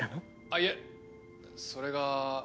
あっいえそれが。